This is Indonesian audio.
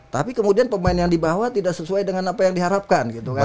tapi kemudian pemain yang dibawa tidak sesuai dengan apa yang diharapkan gitu kan